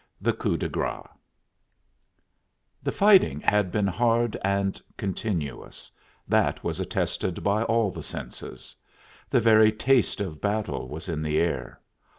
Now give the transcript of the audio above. THE COUP DE GRÂCE The fighting had been hard and continuous; that was attested by all the senses. The very taste of battle was in the air.